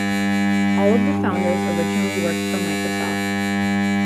All of the founders originally worked for Microsoft.